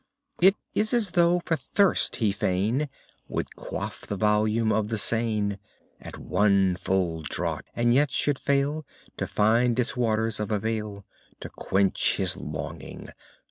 It is as though for thirst he fain Would quaff the volume of the Seine At one full draught, and yet should fail To find its waters of avail To quench his longing.